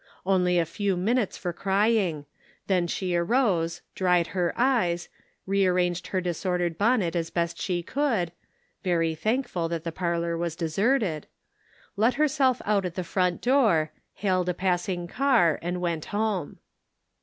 Only a few minutes for crying ; then she arose, dried her eyes, rearranged her disordered bonnet as best she could (very thankful that the parlor was deserted ), let herself out at the front door, hailed a passing car, and went home.